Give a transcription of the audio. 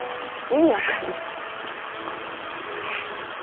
意味分かんない。